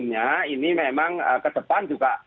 yang ke depan juga